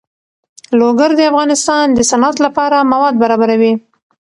لوگر د افغانستان د صنعت لپاره مواد برابروي.